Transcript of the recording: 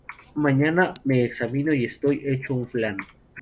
Mañana me examino y estoy hecho un flan